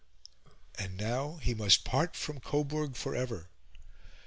And now he must part from Coburg for ever!